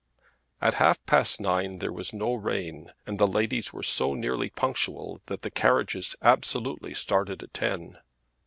At half past nine there was no rain, and the ladies were so nearly punctual that the carriages absolutely started at ten.